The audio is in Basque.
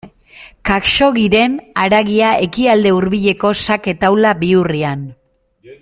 Khaxoggiren haragia Ekialde Hurbileko xake taula bihurrian.